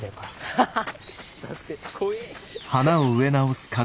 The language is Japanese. ハハハ。